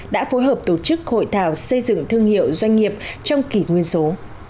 đã phối hợp tổ chức hội thảo xây dựng thương hiệu doanh nghiệp trong kỷ nguyên số